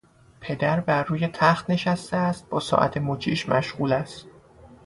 پدر بروی تخت نشسته است با ساعت مچیش مشغول است